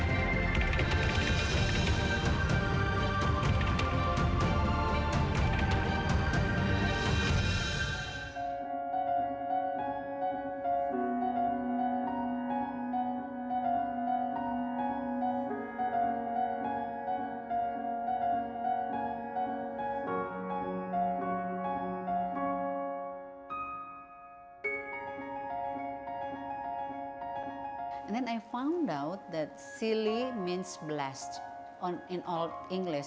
terus saya menemukan bahwa silly berarti blessed dalam bahasa inggris